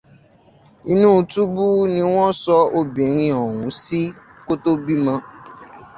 Inú túbú ni wọ́n sọ ọmọbìnrin ọ̀hún sí kó tó bímọ.